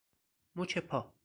مچ پا